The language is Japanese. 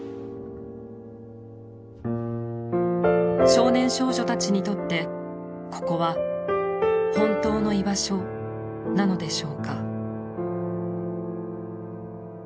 少年少女たちにとってここは「本当の居場所」なのでしょうか？